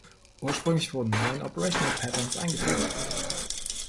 Ursprünglich wurden neun Operational Patterns eingeführt.